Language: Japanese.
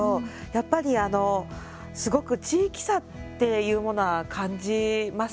やっぱりあの、すごく地域差っていうものは感じます。